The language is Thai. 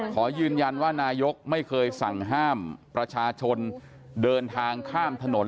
ขอยืนยันว่านายกไม่เคยสั่งห้ามประชาชนเดินทางข้ามถนน